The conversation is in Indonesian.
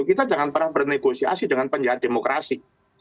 kita jangan pernah bernegosiasi dengan penjahat demokrasi